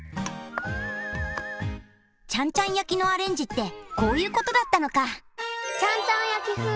ちゃんちゃん焼きのアレンジってこういうことだったのか。